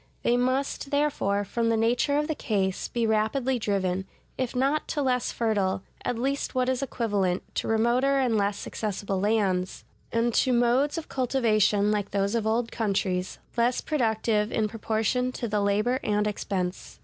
They must, therefore, from the nature of the case, be rapidly driven, if not to less fertile, at least what is equivalent, to remoter and less accessible lands, and to modes of cultivation like those of old countries, less productive in proportion to the labor and expense.